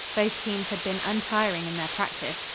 Both teams had been untiring in their practice.